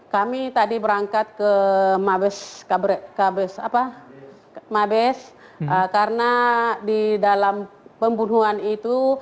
kami tadi berangkat ke mabes karena di dalam pembunuhan itu